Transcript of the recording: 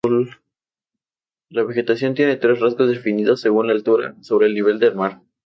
La vegetación tiene tres rasgos definidos según la altura sobre el nivel del mar.